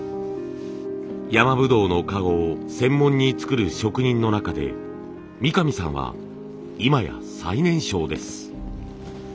山ぶどうの籠を専門に作る職人の中で三上さんは今や最年少です。